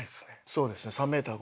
そうですね。